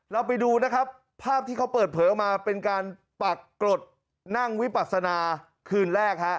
เราไปดูภาพที่เขาเปิดเผลอมาเป็นการปรักกฎนั่งวิปัสนาคืนแรกครับ